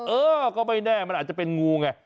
เออก็ไม่แน่มันอาจจะเป็นงูไง